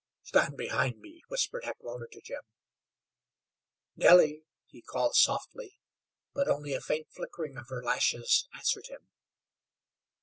"Stand behind me," whispered Heckewelder to Jim. "Nellie," he called softly, but only a faint flickering of her lashes answered him.